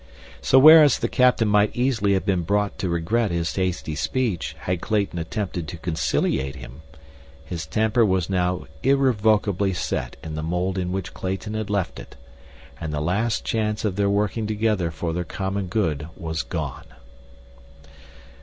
So, whereas the captain might easily have been brought to regret his hasty speech had Clayton attempted to conciliate him, his temper was now irrevocably set in the mold in which Clayton had left it, and the last chance of their working together for their common good was gone.